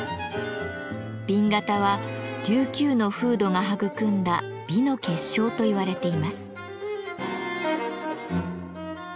紅型は琉球の風土が育んだ美の結晶と言われています。